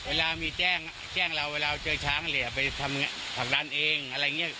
เวลามีแจ้งแจ้งเราเวลาเจอช้างเนี่ยไปทำผลักดันเองอะไรอย่างนี้